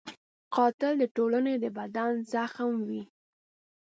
قاتل د ټولنې د بدن زخم وي